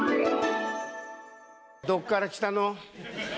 どこから来たの？